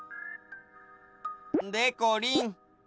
でこりん。